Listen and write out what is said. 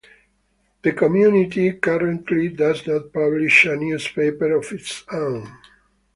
The community currently does not publish a newspaper of its own.